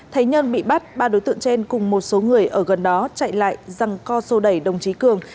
thấy nhân bị bắt ba đối tượng trên cùng một số người ở gần đó chạy lại răng co sô đẩy đồng chí cường